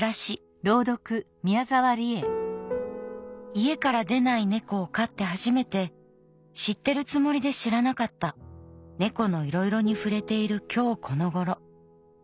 「家から出ない猫を飼って初めて知ってるつもりで知らなかった猫の色々に触れている今日この頃。